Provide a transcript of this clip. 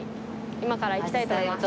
今からいきたいと思います。